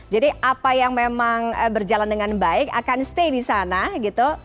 jadi apa yang memang berjalan dengan baik akan stay di sana gitu